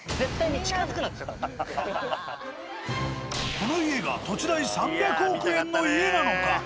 この家が土地代３００億円の家なのか？